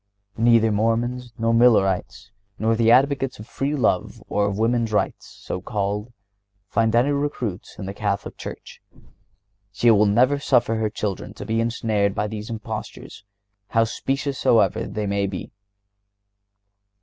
Neither Mormons nor Millerites, nor the advocates of free love or of women's rights, so called, find any recruits in the Catholic Church. She will never suffer her children to be ensnared by these impostures, how specious soever they may be.